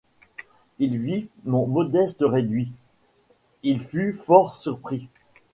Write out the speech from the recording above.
Il vit mon modeste réduit ; il fut fort surpris.